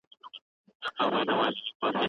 ناروغیو د کلي د خلکو ژوند ډېر سخت کړی دی.